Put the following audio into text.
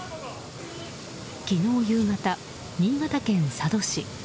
昨日夕方、新潟県佐渡市。